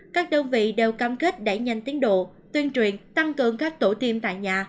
các đơn vị đều cam kết đẩy nhanh tiến độ tuyên truyền tăng cường các tổ tiêm tại nhà